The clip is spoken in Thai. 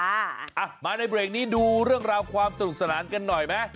อ่ะมาในเบรกนี้ดูเรื่องราวความสนุกสนานกันหน่อยไหม